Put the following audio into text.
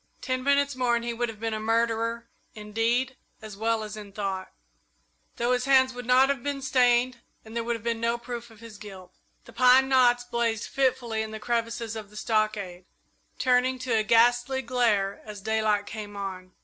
Ten minutes more and he would have been a murderer in deed as well as in thought, though his hands would not have been stained and there would have been no proof of his guilt. The pine knots blazed fitfully in the crevices of the stockade, turning to a ghastly glare as daylight came on.